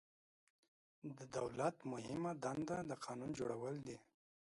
دولت مهمه دنده د قانون جوړول دي.